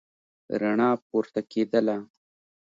رڼا پورته کېدله.